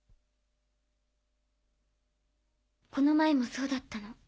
この前もそうだったの。